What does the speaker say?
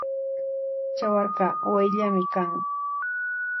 Chawarka wayllami kan.